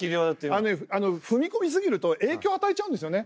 あのね踏み込みすぎると影響与えちゃうんですよね。